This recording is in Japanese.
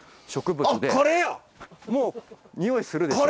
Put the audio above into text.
もうにおいするでしょ？